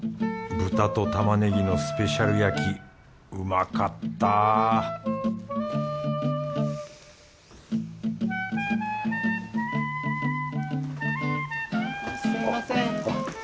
豚と玉ねぎのスペシャル焼きうまかったすみません。